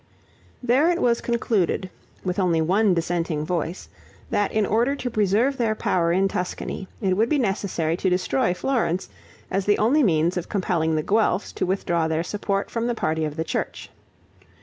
There it was concluded, with only one dissenting voice, that in order to preserve their power in Tuscany, it would be necessary to destroy Florence, as the only means of compelling the Guelphs to withdraw their support from the party of the church.